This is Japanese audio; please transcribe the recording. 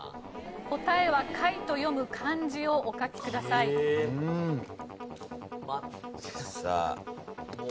答えは「かい」と読む漢字をお書きください。さあ。